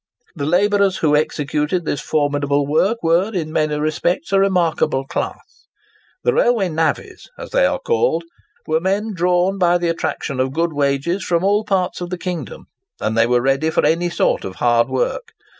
The labourers who executed this formidable work were in many respects a remarkable class. The "railway navvies," as they are called, were men drawn by the attraction of good wages from all parts of the kingdom; and they were ready for any sort of hard work.